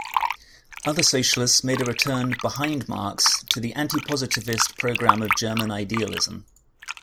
Other socialists made a return 'behind Marx' to the anti-positivist programme of German idealism.